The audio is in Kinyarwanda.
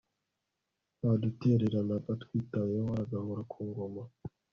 ntadutererana atwitayeho aragahora ku ngoma